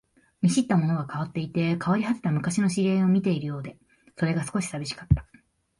見知ったものが変わっていて、変わり果てた昔の知り合いを見ているようで、それが少し寂しかった